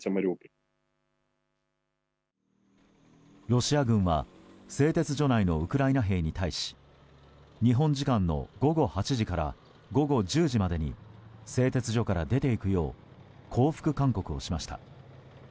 ロシア軍は製鉄所内のウクライナ兵に対し日本時間の午後８時から午後１０時までに製鉄所から出ていくよう降伏勧告をしました。